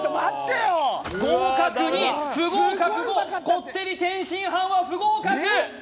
合格２不合格５こってり天津飯は不合格！